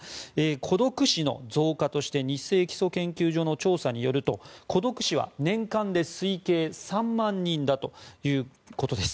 孤独死の増加としてニッセイ基礎研究所の調査によると孤独死は年間で推計３万人だということです。